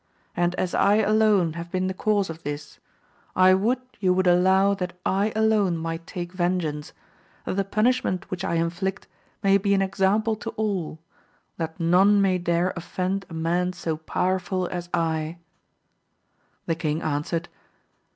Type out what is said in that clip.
And as I alone have been the cause of this, 1 would you would allow that I alone might take vengeance, that the punishment which I inflict may be an example to all, that none may dare offend a man so powerful as L The kmg answered.